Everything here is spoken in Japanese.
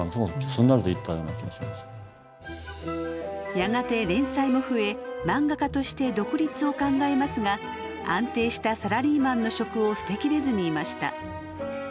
やがて連載も増え漫画家として独立を考えますが安定したサラリーマンの職を捨てきれずにいました。